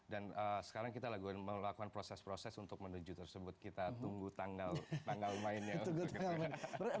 dan sekarang kita lakukan proses proses untuk menuju tersebut kita tunggu tanggal mainnya